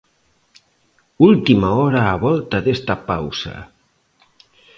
Última hora á volta desta pausa.